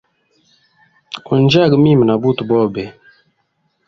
Go njyaga mimi na buti bobe.